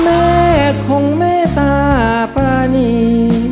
แม่คงไม่ตาประณี